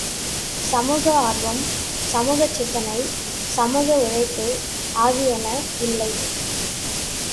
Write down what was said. சமூக ஆர்வம், சமூகச் சிந்தனை, சமூக உழைப்பு ஆகியன இல்லை!